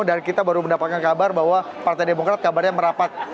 dan kita baru mendapatkan kabar bahwa partai demokrat kabarnya merapat